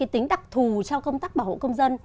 tính đặc thù trong công tác bảo hộ công dân